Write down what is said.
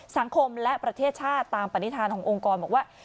สังคมและประเทศชาติตามปฏิฐานขององค์กรบอกว่า